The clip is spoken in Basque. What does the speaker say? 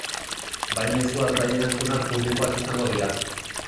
Bai mezuak bai erantzunak publikoak izango dira.